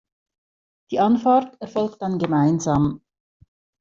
Die Anfahrt erfolgt dann gemeinsam.